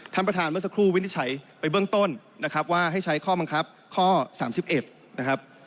ท่านประธานเมื่อสักครู่วินิจฉัยไปเบื้องต้นนะครับว่าให้ใช้ข้อบังคับข้อ๓๑นะครับ